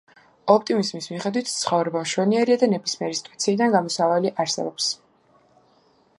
ოპტიმიზმის მიხედვით, ცხოვრება მშვენიერია და ნებისმიერი სიტუაციიდან გამოსავალი არსებობს.